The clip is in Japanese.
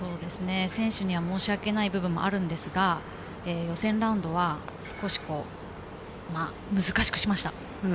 選手には申し訳ない部分もあるんですが予選ラウンドは少し難しくしました。